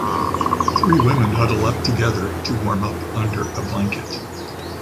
Three women huddle up together to warm up under a blanket.